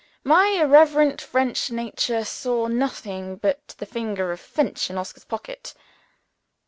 My irreverent French nature saw nothing but the finger of Finch in Oscar's pocket.